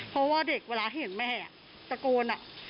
เพราะว่าเด็กเวลาเห็นแม่ตะโกน